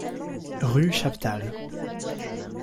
Rue Chaptal.